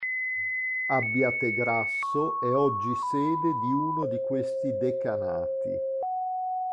Abbiategrasso è oggi sede di uno di questi decanati.